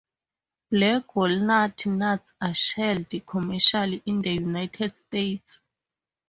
Black walnut nuts are shelled commercially in the United States.